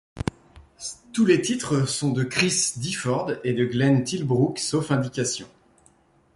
Tous les titres sont de Chris Difford et de Glenn Tilbrook sauf indication.